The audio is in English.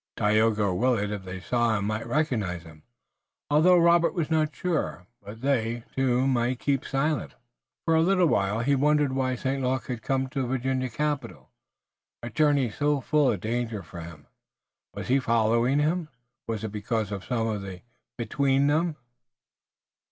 Tayoga or Willet, if they saw him, might recognize him, although Robert was not sure, but they, too, might keep silent. For a little while, he wondered why St. Luc had come to the Virginia capital, a journey so full of danger for him. Was he following him? Was it because of some tie between them?